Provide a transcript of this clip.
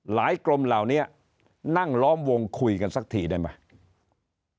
กรมเหล่านี้นั่งล้อมวงคุยกันสักทีได้ไหม